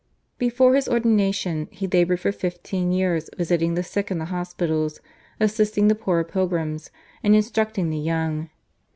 Before his ordination he laboured for fifteen years visiting the sick in the hospitals, assisting the poorer pilgrims, and instructing the young.